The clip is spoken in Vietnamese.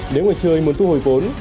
nếu người chơi muốn thu hồi vốn